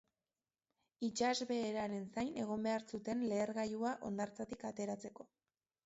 Itsasbeheraren zain egon behar zuten lehergailua hondartzatik ateratzeko.